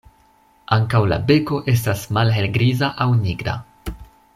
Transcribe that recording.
Ankaŭ la beko estas malhelgriza aŭ nigra.